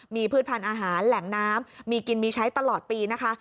มีพืชพันธุ์อาหารแหล่งน้ำมีกินมีใช้ตลอดปีนะคะ